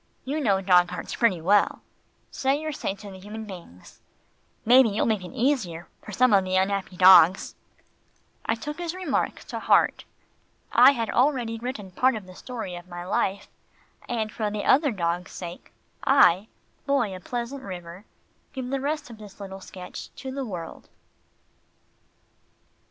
"You know dog hearts pretty well. Say your say to the human beings. Maybe you'll make it easier for some of the unhappy dogs." I took his remark to heart. I had already written part of the story of my life, and for the other dogs' sake, I, Boy of Pleasant River, give the rest of this little sketch to the world.